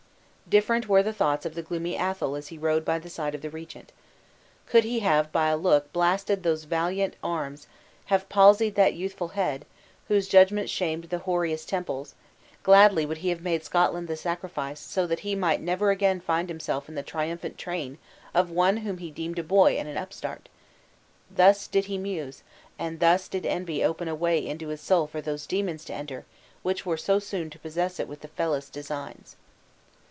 Different were the thoughts of the gloomy Athol as he rode by the side of the regent. Could he by a look have blasted those valiant arms have palsied that youthful head, whose judgment shamed the hoariest temples gladly would he have made Scotland the sacrifice so that he might never again find himself in the triumphant train of one whom he deemed a boy and an upstart! Thus did he muse, and thus did envy open a way into his soul for those demons to enter which were so soon to possess it with the fellest designs.